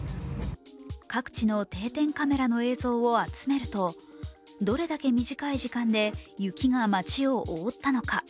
各地の定点カメラの映像を集めると、どれだけ短い時間で雪が街を覆ったのか。